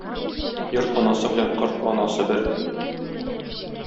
Йорт анасы белән корт анасы бер.